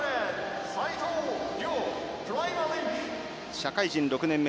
社会人６年目。